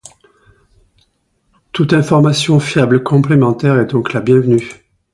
Toute information fiable complémentaire est donc la bienvenue.